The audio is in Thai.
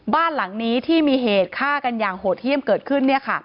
บ้านหลังนี้ที่มีเหตุฆ่ากันอย่างโหดเยี่ยมเกิดขึ้น